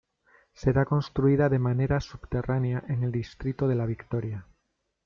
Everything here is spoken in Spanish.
Será construida de manera subterránea en el distrito de La Victoria.